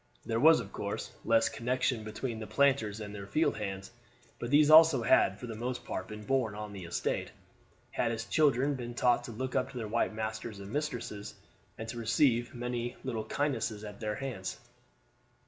There was, of course, less connection between the planters and their field hands; but these also had for the most part been born on the estate, had as children been taught to look up to their white masters and mistresses, and to receive many little kindnesses at their hands.